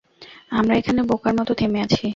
আমরা এখানে বোকার মতো থেমে আছি!